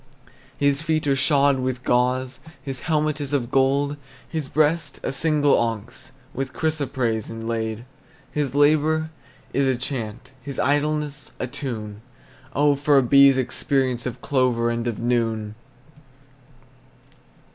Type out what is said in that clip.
His feet are shod with gauze, His helmet is of gold; His breast, a single onyx With chrysoprase, inlaid. His labor is a chant, His idleness a tune; Oh, for a bee's experience Of clovers and of noon!